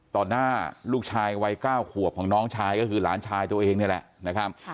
หน้าลูกชายวัย๙ขวบของน้องชายก็คือหลานชายตัวเองนี่แหละนะครับ